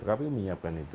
kpu menyiapkan itu